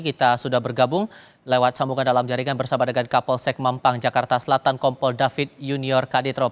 kita sudah bergabung lewat sambungan dalam jaringan bersama dengan kapolsek mampang jakarta selatan kompol david junior kaditro